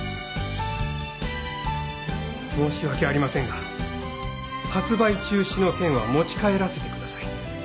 申し訳ありませんが発売中止の件は持ち帰らせてください。